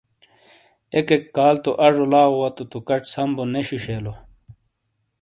ایک ایک کال تو اَزو لاؤ وَتو تو کَچ سَم بو نے شُو شیلو ۔